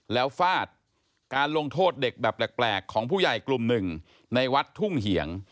แล้วฟาดการลงโทษเด็กแบบแปลกของผู้ใหญ่กลุ่มหนึ่งในวัดทุ่งเหียง